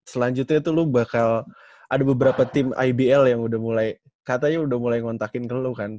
selanjutnya tuh lu bakal ada beberapa tim ibl yang udah mulai katanya udah mulai ngontakin ke lu kan